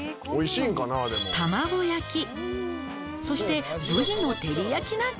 「そして」